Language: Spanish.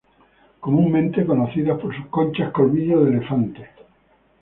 Comúnmente conocidas por sus conchas colmillo de elefante.